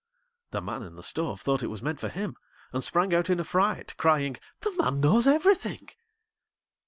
The man in the stove thought it was meant for him, and sprang out in a fright, crying: 'The man knows everything.'